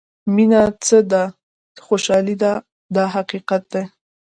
مینه څه ده خوشالۍ ده دا حقیقت دی.